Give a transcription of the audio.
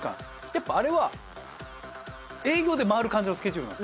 やっぱりあれは営業で回る感じのスケジュールなんですよ。